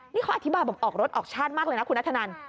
นี่เขาอธิบายบอกออกรถออกชาติมากเลยนะคุณนัทธนัน